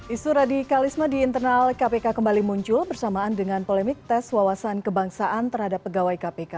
isu radikalisme di internal kpk kembali muncul bersamaan dengan polemik tes wawasan kebangsaan terhadap pegawai kpk